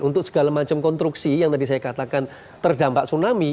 untuk segala macam konstruksi yang tadi saya katakan terdampak tsunami